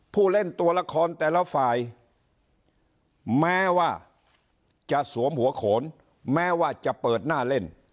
ผู้เล่นตัวละครแต่ละฝ่ายแม้ว่าจะสวมหัวโขนแม้ว่าจะเปิดหน้าเล่น